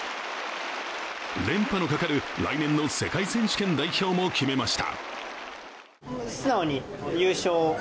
連覇のかかる来年の世界選手権代表も決めました。